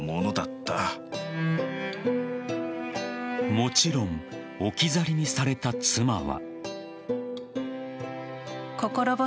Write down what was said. もちろん置き去りにされた妻は。